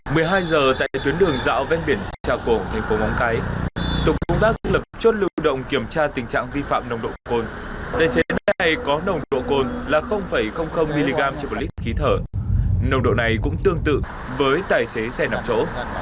nơi này có nồng độ cồn là mg trên một lít khí thở nồng độ này cũng tương tự với tài xế xe nạp chỗ